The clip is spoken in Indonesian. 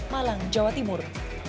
malang jawa timur